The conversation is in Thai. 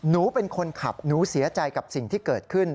หนูเป็นคนขับหนูเสียใจกับสิ่งที่เกิดขึ้น